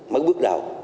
mất bước đào